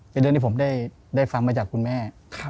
เป็นเรื่องที่ผมได้ฟังมาจากคุณแม่